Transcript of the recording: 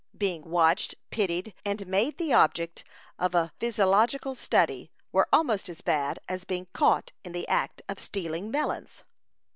Being watched, pitied, and made the object of a physiological study, were almost as bad as being caught in the act of stealing melons.